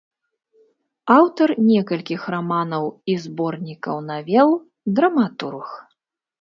Аўтар некалькіх раманаў і зборнікаў навел, драматург.